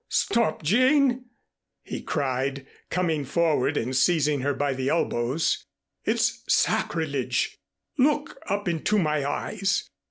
"Stop, Jane!" he cried, coming forward and seizing her by the elbows. "It's sacrilege. Look up into my eyes.